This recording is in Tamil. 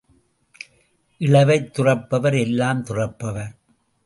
இழவைத் துறப்பவர் எல்லாம் துறப்பார்.